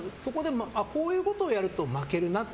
こういうことをやると負けるなって。